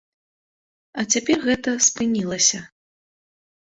А цяпер гэта спынілася.